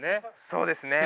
そうですね。